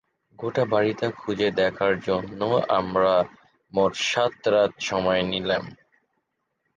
গোটা বাড়িটা খুঁজে দেখার জন্যে আমরা মোট সাত রাত সময় নিলাম।